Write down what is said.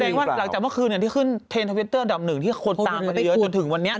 ว่าหลังจากเมื่อคืนที่ขึ้นเทรนดทวิตเตอร์อันดับหนึ่งที่คนตามกันเยอะจนถึงวันนี้